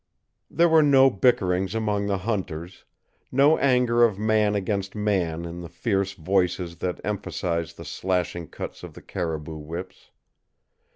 There were no bickerings among the hunters, no anger of man against man in the fierce voices that emphasized the slashing cuts of the caribou whips.